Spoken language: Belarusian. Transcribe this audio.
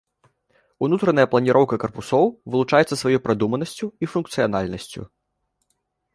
Унутраная планіроўка карпусоў вылучаецца сваёй прадуманасцю і функцыянальнасцю.